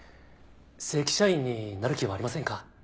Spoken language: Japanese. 正規社員になる気はありませんか？